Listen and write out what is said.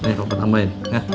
nih kamu tambahin